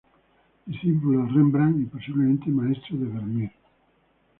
Discípulo de Rembrandt y, posiblemente, maestro de Vermeer.